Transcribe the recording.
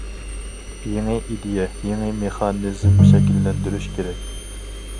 يېڭى ئىدىيە، يېڭى مېخانىزم شەكىللەندۈرۈش كېرەك.